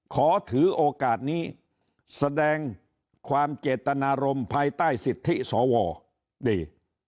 ขอถือโอกาสนี้แสดงความเจตนารมณ์ภายใต้สิทธิสวดี